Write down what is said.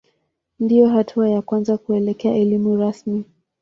Ndiyo hatua ya kwanza kuelekea elimu rasmi.